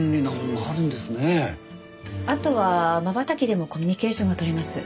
あとはまばたきでもコミュニケーションが取れます。